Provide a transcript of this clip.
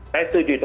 saya setuju itu